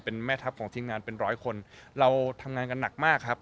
เป็นแม่ทัพของทีมงานเป็นร้อยคนเราทำงานกันหนักมากครับ